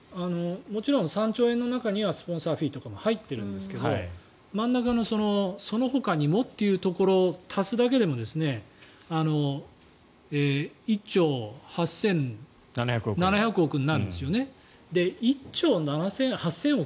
もちろん３兆円の中にはスポンサーフィーとか入っていますが真ん中の、そのほかにもというところを足すだけでも１兆８７００億円になるんですよね。